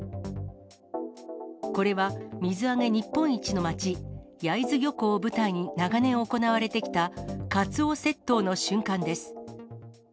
これは、水揚げ日本一の街、焼津漁港を舞台に、長年行われてきたカツオ窃盗の瞬間です。